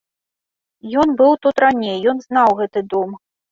Ён быў тут раней, ён знаў гэты дом.